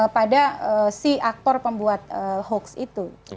pada si aktor pembuat hoax itu